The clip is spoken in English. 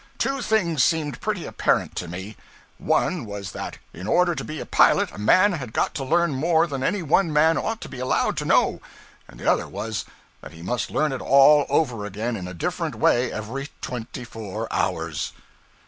Two things seemed pretty apparent to me. One was, that in order to be a pilot a man had got to learn more than any one man ought to be allowed to know; and the other was, that he must learn it all over again in a different way every twenty four hours.